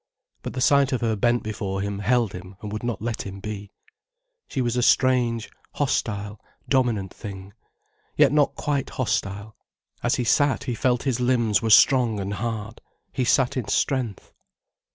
But the sight of her bent before him held him and would not let him be. She was a strange, hostile, dominant thing. Yet not quite hostile. As he sat he felt his limbs were strong and hard, he sat in strength.